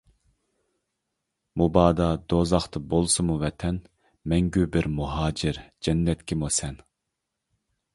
مۇبادا دوزاختا بولسىمۇ ۋەتەن، مەڭگۈ بىر مۇھاجىر جەننەتكىمۇ سەن.